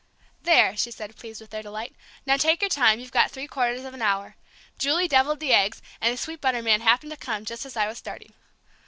"There!" said she, pleased with their delight, "now take your time, you've got three quarters of an hour. Julie devilled the eggs, and the sweet butter man happened to come just as I was starting."